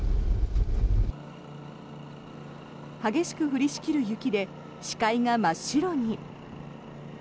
激しく降りしきる雪で視界が真っ白に。